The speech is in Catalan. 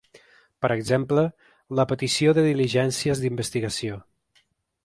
Per exemple, la petició de diligències d’investigació.